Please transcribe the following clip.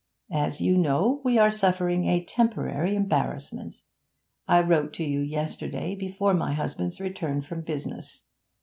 As you know, we are suffering a temporary embarrassment. I wrote to you yesterday before my husband's return from business.